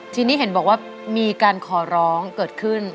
ทีนี้เห็นบอกว่ามีการขอร้องเกิดขึ้น